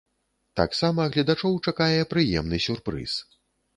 Таксама гледачоў чакае прыемны сюрпрыз.